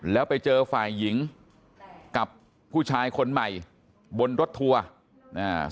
แล้วไปเจอฝ่ายหญิงกับผู้ชายคนใหม่บนรถทัวร์อ่า